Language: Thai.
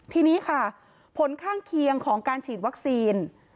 ทีนี้ค่ะผลข้างเคียงของการฉีดวัคซีน